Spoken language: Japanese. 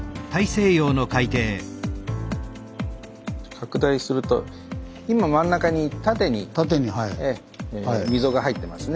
拡大すると今真ん中に縦に溝が入ってますね。